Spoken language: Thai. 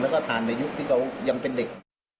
แล้วก็ทานในยุคที่เขายังเป็นเด็ก